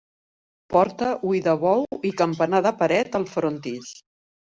Porta, ull de bou i campanar de paret al frontis.